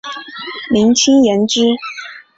明清延之。